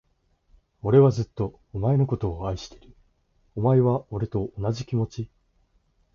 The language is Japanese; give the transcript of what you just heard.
俺はずっと、お前のことを愛してるよ。お前は、俺と同じ気持ち？